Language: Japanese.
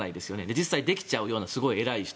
実際できちゃうような偉い人。